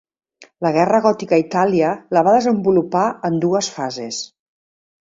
La guerra gòtica a Itàlia la va desenvolupar en dues fases.